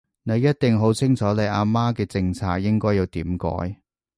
你一定好清楚你阿媽嘅政策應該要點改